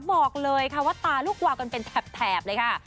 บอกเลยค่ะว่าตาลูกวาวกันเป็นแถบเลยค่ะ